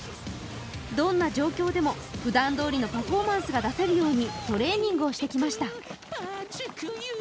どんな状況でもふだんどおりのパフォーマンスを出せるようにトレーニングをしてきました。